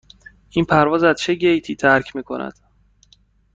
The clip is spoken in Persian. این پرواز از چه گیتی ترک می کند؟